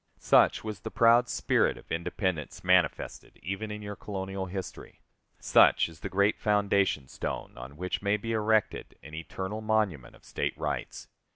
Such was the proud spirit of independence manifested even in your colonial history. Such is the great foundation stone on which may be erected an eternal monument of State rights.